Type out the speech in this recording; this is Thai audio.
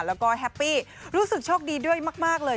แล้วก็แฮปปี้รู้สึกโชคดีด้วยมากเลย